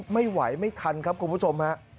ไม่ไหวไม่ทันครับคุณผู้ชมฮะ